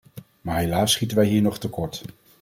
Maar helaas schieten wij hier nog tekort.